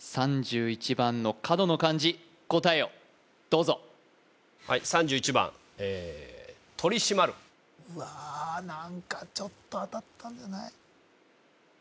３１番の角の漢字答えをどうぞはいうわ何かちょっと当たったんじゃない？